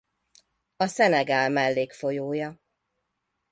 A Szenegál mellékfolyója.